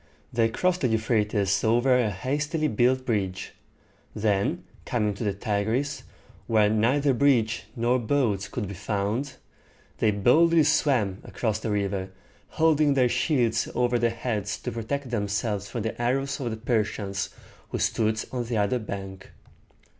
They crossed the Eu phra´tes over a hastily built bridge; then coming to the Tigris, where neither bridge nor boats could be found, they boldly swam across the river, holding their shields over their heads to protect themselves from the arrows of the Persians who stood on the other bank.